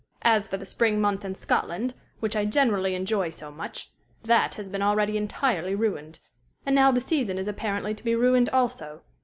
"As for the spring month in Scotland, which I generally enjoy so much, that has been already entirely ruined. And now the season is apparently to be ruined also.